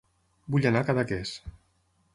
Vull anar a Cadaqués